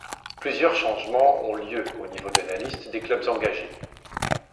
Plusieurs changements ont lieu au niveau de la liste des clubs engagés.